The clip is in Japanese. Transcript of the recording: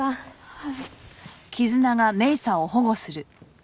はい。